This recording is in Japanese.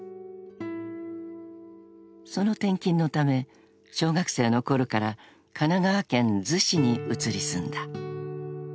［その転勤のため小学生のころから神奈川県逗子に移り住んだ］